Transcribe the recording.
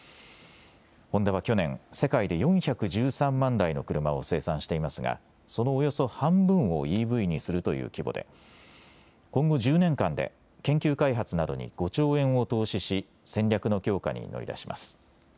ホンダは去年、世界で４１３万台の車を生産していますがそのおよそ半分をＥＶにするという規模で今後１０年間で研究開発などに５兆円を投資し戦略の強化に乗り出します。